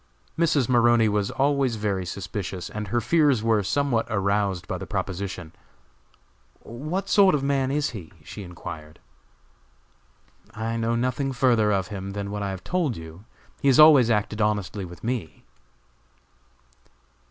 Mrs. Maroney was always very suspicious, and her fears were somewhat aroused by the proposition. "What sort of a man is he?" she inquired. "I know nothing further of him than what I have told you; he has always acted honestly with me."